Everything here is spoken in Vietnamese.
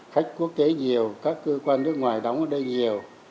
khách quốc tế nhiều các cơ quan nước ngoài đóng ở đây nhiều